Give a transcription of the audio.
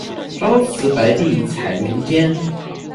朝辞白帝彩云间